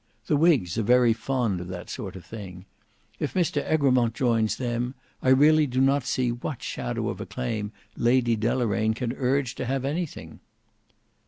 The whigs are very fond of that sort of thing. If Mr Egremont joins them, I really do not see what shadow of a claim Lady Deloraine can urge to have anything."